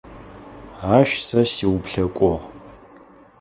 Ащ сэ сиуплъэкӏугъ.